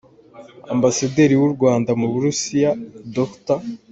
Ambasaderi w’u Rwanda mu Burusiya Dr.